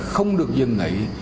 không được dừng nghỉ